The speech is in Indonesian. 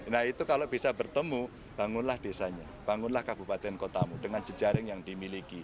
nah itu kalau bisa bertemu bangunlah desanya bangunlah kabupaten kotamu dengan jejaring yang dimiliki